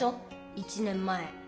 １年前。